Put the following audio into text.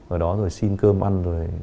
ở đó rồi xin cơm ăn rồi